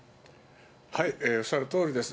おっしゃるとおりです。